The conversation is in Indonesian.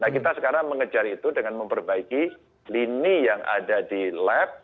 nah kita sekarang mengejar itu dengan memperbaiki lini yang ada di lab